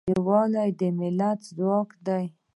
یوالی د ملت ځواک دی.